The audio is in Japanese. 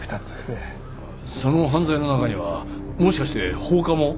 その犯罪の中にはもしかして放火も？